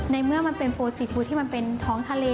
เมื่อมันเป็นโปรซีฟู้ที่มันเป็นท้องทะเล